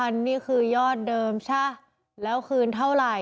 นี่คือยอดเดิมซะแล้วคืนเท่าไหร่